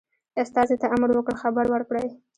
استازي ته امر وکړ خبر ورکړي.